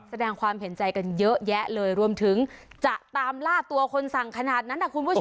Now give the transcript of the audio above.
แสดงความเห็นใจกันเยอะแยะเลยรวมถึงจะตามล่าตัวคนสั่งขนาดนั้นนะคุณผู้ชม